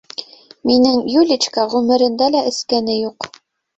- Минең Юличка ғүмерендә лә эскәне юҡ.